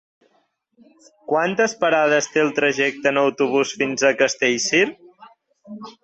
Quantes parades té el trajecte en autobús fins a Castellcir?